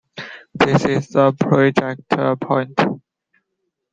This is the projected point.